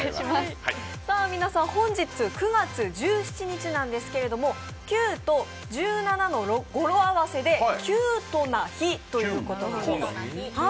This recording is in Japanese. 本日９月１７日ですが、９と１７の語呂合わせでキュートな日ということなんです。